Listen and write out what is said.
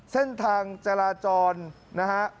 เส้นทางจราจรนะฮะ